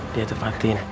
dia tuh fatin